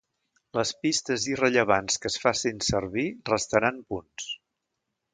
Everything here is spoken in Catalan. Les pistes irrellevants que es facin servir restaran punts.